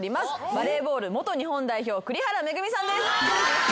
バレーボール元日本代表栗原恵さんです。